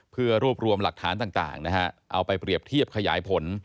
เพื่อรวบรวมหลักฐานต่างนะฮะเอาไปเปรียบเทียบขยายผล